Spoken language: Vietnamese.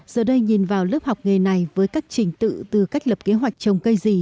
giờ đây nhìn vào lớp học nghề này với các trình tự từ cách lập kế hoạch trồng cây gì